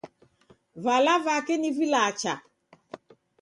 Vala vake ni vilacha.